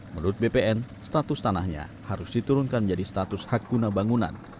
menurut bpn status tanahnya harus diturunkan menjadi status hak guna bangunan